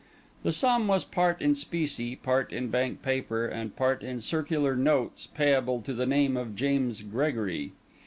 The sum was part in specie, part in bank paper, and part in circular notes payable to the name of James Gregory.